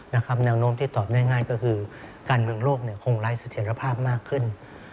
ณโน้มตอบง่ายก็คือการเมืองโลกคงรายสถุทธิภาพมากขึ้น